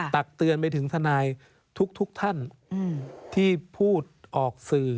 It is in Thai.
ตักเตือนไปถึงทนายทุกท่านที่พูดออกสื่อ